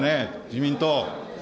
自民党。